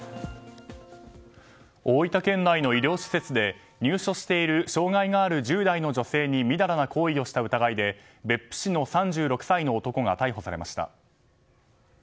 大分県内の医療施設で入所している障害がある１０代の女性にみだらな行為をした疑いで別府市の３６歳の男が逮捕されました。